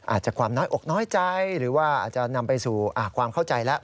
อาจจะความน้อยอกน้อยใจหรือว่าอาจจะนำไปสู่ความเข้าใจแล้ว